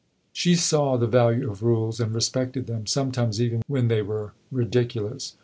She saw the value of rules, and respected them, sometimes even when they were ridiculous.